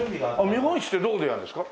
見本市ってどこでやるんですか？